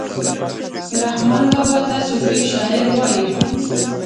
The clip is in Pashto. رحمان بابا ته صوفي شاعر وايي